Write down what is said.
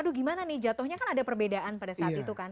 aduh gimana nih jatuhnya kan ada perbedaan pada saat itu kan